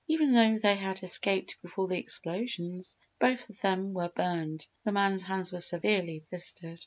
Even though they had escaped before the explosions, both of them were burned, the man's hands being severely blistered.